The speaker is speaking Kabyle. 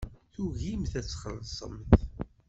Tugimt ad txellṣemt.